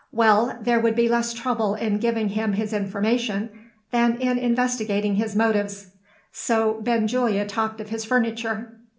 Well, there would be less trouble in giving him his information, than in investigating his motives. So Benjulia talked of his furniture.